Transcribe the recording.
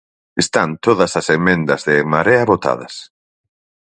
Están todas as emendas de En Marea votadas.